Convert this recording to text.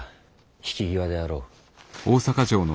引き際であろう。